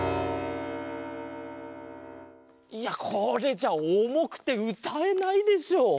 いやこれじゃおもくてうたえないでしょう。